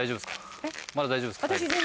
まだ大丈夫ですか？